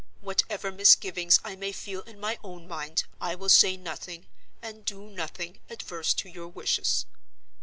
Whatever misgivings I may feel in my own mind, I will say nothing, and do nothing, adverse to your wishes.